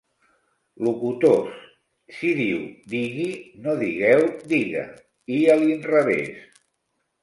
Locutors, si diu 'digui' no digueu 'diga', i a l'inrevès.